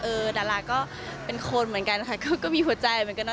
ดาราก็เป็นคนเหมือนกันค่ะก็มีหัวใจเหมือนกันนะ